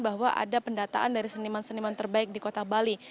bahwa ada pendataan dari seniman seniman terbaik di kota bali